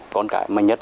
còn con cái